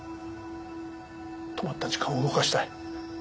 止まった時間を動かしたい。